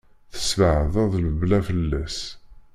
Tesbeɛdeḍ lebla fell-as.